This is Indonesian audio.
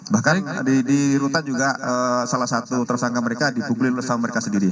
bahkan di rutan juga salah satu tersangka mereka dipukulin oleh sama mereka sendiri